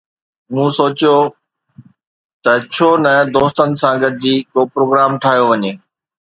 مون سوچيو ته ڇو نه دوستن سان گڏجي ڪو پروگرام ٺاهيو وڃي